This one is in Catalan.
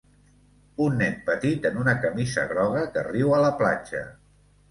Un nen petit en una camisa groga que riu a la platja.